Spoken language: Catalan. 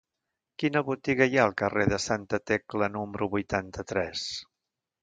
Quina botiga hi ha al carrer de Santa Tecla número vuitanta-tres?